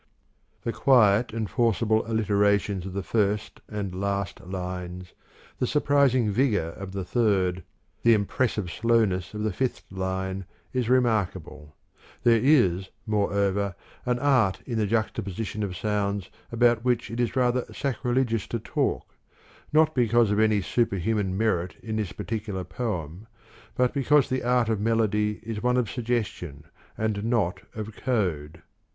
The quiet and forcible alliterations of the first and last lines, the surprising vigour of the third, the impressive slowness of the fifth line is remarkable. There is, moreover, an art in the juxtaposition of sounds about which it is rather sacrilegious to talk, not because of any superhuman merit in this particular poem, but because the art of melody is one of suggestion, and not of code.